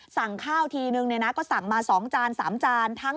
สั่งข้าวทีหนึ่งก็สั่งมาสองจานสามจาน